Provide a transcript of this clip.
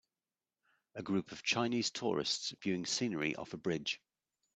A group of Chinese tourists viewing scenery off a bridge.